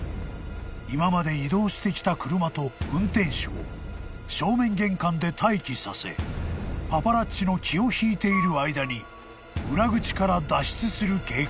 ［今まで移動してきた車と運転手を正面玄関で待機させパパラッチの気を引いている間に裏口から脱出する計画］